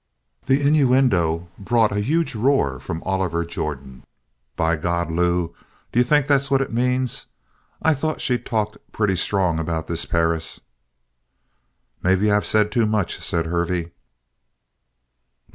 The innuendo brought a huge roar from Oliver Jordan. "By God, Lew, d'you think that's what it means? I thought she talked pretty strong about this Perris!" "Maybe I've said too much," said Hervey.